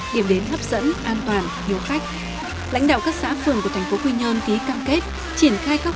điểm đến hấp dẫn an toàn hiếu khách